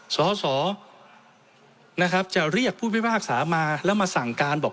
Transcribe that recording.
สสจะเรียกผู้พิพากษามาแล้วมาสั่งการบอก